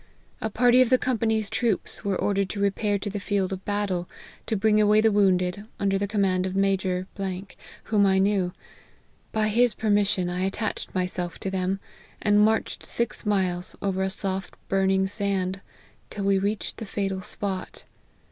A party of the company's troops were ordered to repair to the field of battle, to bring away the wounded, under the command of Major , whom I knew. By his permission,. I attached myself to them, and inarched six miles over a soft burning sand, till we reached the fatal spot.